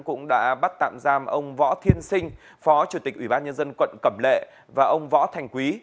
cũng đã bắt tạm giam ông võ thiên sinh phó chủ tịch ubnd quận cẩm lệ và ông võ thành quý